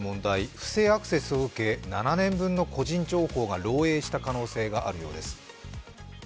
不正アクセスを受け７年分の個人情報が漏えいした可能性があるようです。